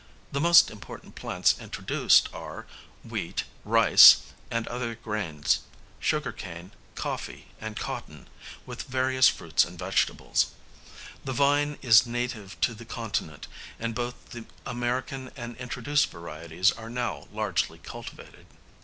The most important plants introduced are wheat, rice, and other grains, sugar cane, coffee, and cotton, with various fruits and vegetables. The vine is native to the continent, and both the American and introduced varieties are now largely cultivated.